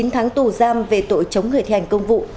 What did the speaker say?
chín tháng tù giam về tội chống người thi hành công vụ